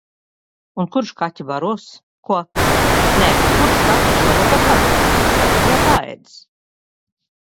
Un kurš kaķi baros? Ko? Nē nu, kurš kaķi šovakar baros, tagad jau paēdis.